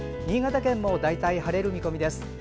新潟県も大体晴れる見込みです。